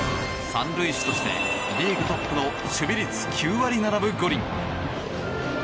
三塁手としてリーグトップの守備率９割７分５厘。